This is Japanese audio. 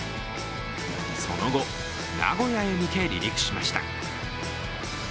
その後、名古屋へ向け離陸しました